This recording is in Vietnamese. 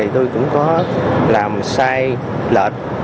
tôi cũng có làm sai lệch